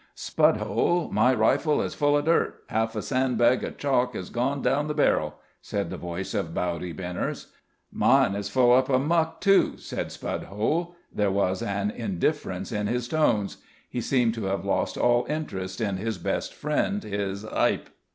"Spudhole, my rifle is full of dirt; half a sandbag of chalk has gone down the barrel," said the voice of Bowdy Benners. "Mine is full up o' muck, too," said Spudhole. There was an indifference in his tones. He seemed to have lost all interest in his best friend, his "'ipe."